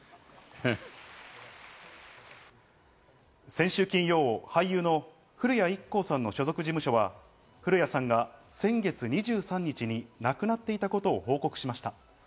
先週金曜、俳優の古谷一行さんの所属事務所は古谷さんが先月２３日に亡くなっていたことを報告しました。